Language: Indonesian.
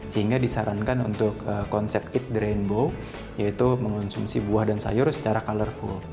sehingga disarankan untuk konsep eat drainbow yaitu mengonsumsi buah dan sayur secara colorful